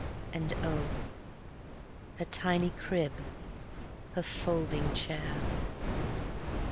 _And oh, her tiny crib, her folding chair!